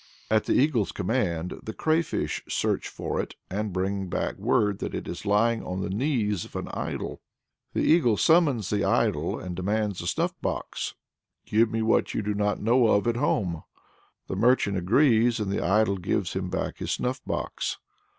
At the eagle's command, the crayfish search for it, and bring back word that it is lying "on the knees of an Idol." The eagle summons the Idol, and demands the snuff box. Thereupon the Idol says to the merchant "Give me what you do not know of at home?" The merchant agrees and the Idol gives him back his snuff box.